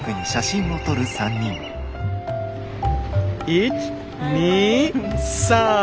１２３！